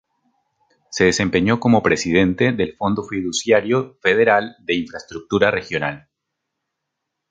Se desempeñó como Presidente del Fondo Fiduciario Federal de Infraestructura Regional.